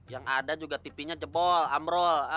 yang ada juga tipinya jebol amrol